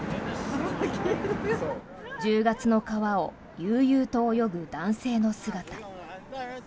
１０月の川を悠々と泳ぐ男性の姿。